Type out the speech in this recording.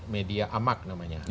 media amak namanya